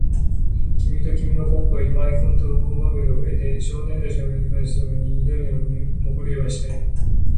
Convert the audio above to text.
きみときみのコックとが、今井君と運転手に化けたうえ、少年探偵団の子どもたちをだますために、ふたりのインド人になって、みょうなお祈りまでして見せた。